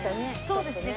そうですね